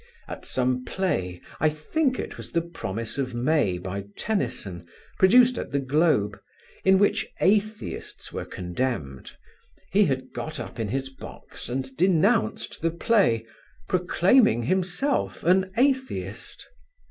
At some play, I think it was "The Promise of May," by Tennyson, produced at the Globe, in which atheists were condemned, he had got up in his box and denounced the play, proclaiming himself an atheist.